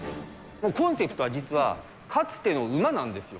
コンセプトは実は、かつての馬なんですよ。